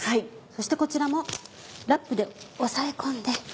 そしてこちらもラップでおさえ込んで。